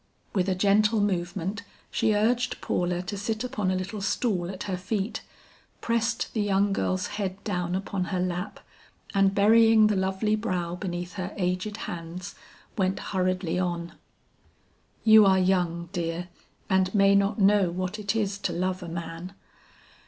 With a gentle movement she urged Paula to sit upon a little stool at her feet, pressed the young girl's head down upon her lap, and burying the lovely brow beneath her aged hands, went hurriedly on. "You are young, dear, and may not know what it is to love a man.